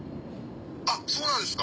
あっそうなんですか。